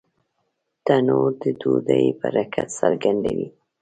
تنور د ډوډۍ برکت څرګندوي